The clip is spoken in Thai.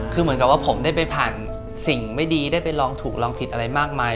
คือเหมือนกับว่าผมได้ไปผ่านสิ่งไม่ดีได้ไปลองถูกลองผิดอะไรมากมาย